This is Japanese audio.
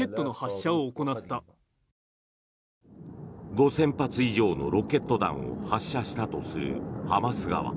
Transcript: ５０００発以上のロケット弾を発射したとするハマス側。